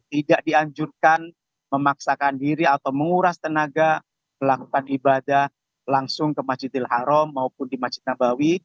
tidak dianjurkan memaksakan diri atau menguras tenaga melakukan ibadah langsung ke masjidil haram maupun di masjid nabawi